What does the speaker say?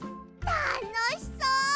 たのしそう！